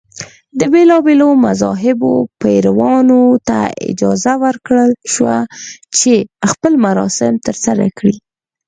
د بېلابېلو مذهبونو پیروانو ته اجازه ورکړل شوه چې خپل مراسم ترسره کړي.